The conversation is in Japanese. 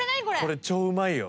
これ超うまいよ。